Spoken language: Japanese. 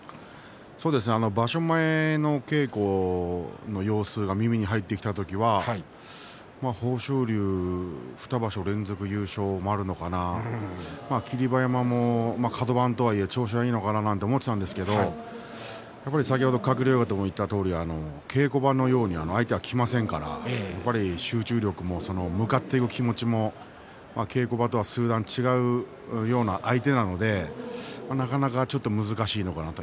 そうですね、場所前の稽古の様子が耳に入ってきた時は豊昇龍が２場所連続優勝もあるのかな霧馬山もカド番とはいえ調子がいいのかなと思っていたんですが先ほど鶴竜親方が言ったように稽古場のようには相手はきませんから集中力も向かっていく気持ちも稽古場とは数段違うような相手なのでなかなかちょっと難しいのかなと。